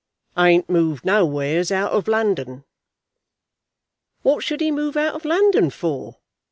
"Ain't moved nowheres out of London." "What should he move out of London for?